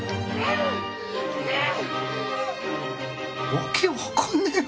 訳わかんねぇよ